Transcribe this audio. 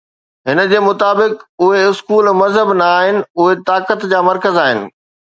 هن جي مطابق، اهي اسڪول مذهب نه آهن، اهي طاقت جا مرڪز آهن.